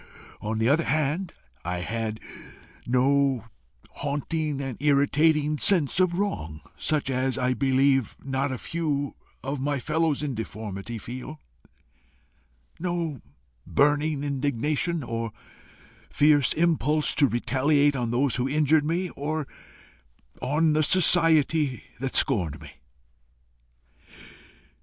On the other hand, I had no haunting and irritating sense of wrong, such as I believe not a few of my fellows in deformity feel no burning indignation, or fierce impulse to retaliate on those who injured me, or on the society that scorned me.